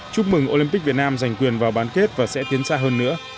chúc mừng olympic việt nam giành quyền vào bán kết và sẽ tiến xa hơn nữa